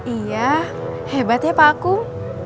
iya hebat ya pakum